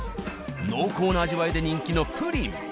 濃厚な味わいで人気のプリン。